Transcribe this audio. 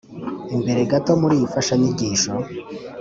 imbere gato muri iyi mfashanyigisho